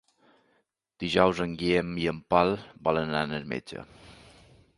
Dijous en Guillem i en Pol volen anar al metge.